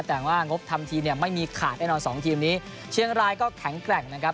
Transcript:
แต่ว่างบทำทีมเนี่ยไม่มีขาดแน่นอนสองทีมนี้เชียงรายก็แข็งแกร่งนะครับ